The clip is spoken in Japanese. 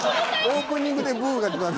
オープニングでブゥが出た。